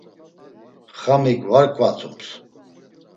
Xamik var ǩvatums.